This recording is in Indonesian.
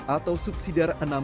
atau subsidi dari andi irfan